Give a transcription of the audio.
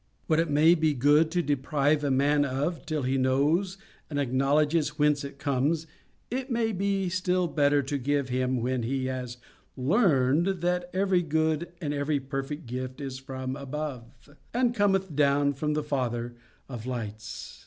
What it may be good to deprive a man of till he knows and acknowledges whence it comes, it may be still better to give him when he has learned that every good and every perfect gift is from above, and cometh down from the Father of lights.